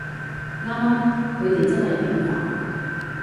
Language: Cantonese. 啱吖，佢哋真係幾煩